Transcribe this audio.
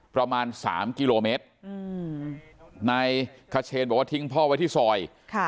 ประมาณสามกิโลเมตรนายคเชนบอกว่าทิ้งพ่อไว้ที่ซอย